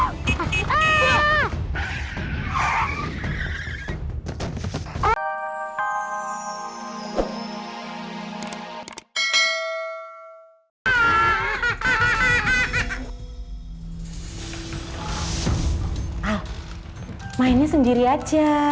al mainnya sendiri aja